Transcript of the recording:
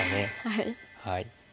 はい。